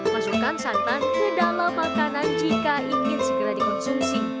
masukkan santan ke dalam makanan jika ingin segera dikonsumsi